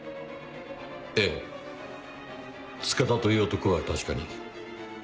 ええ塚田という男は確かに。